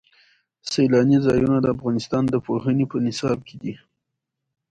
سیلاني ځایونه د افغانستان د پوهنې په نصاب کې دي.